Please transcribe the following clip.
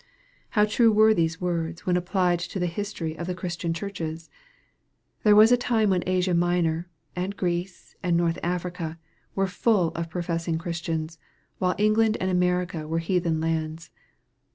How true were these words, when we apply them to 214 EXPOSITORY THOUGHTS. the history of Christian churches ! There was a time when Asia Minor, and Greece, and Northern Africa, were full of professing Christians, while England and America were heathen lands.